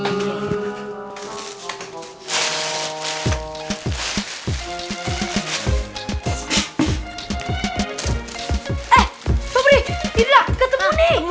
eh babri ini lah ketemu nih